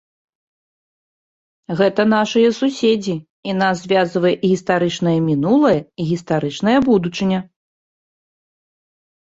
Гэта нашыя суседзі, і нас звязвае і гістарычнае мінулае, і гістарычная будучыня.